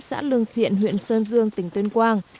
xã lương thiện huyện sơn dương tỉnh tuyên quang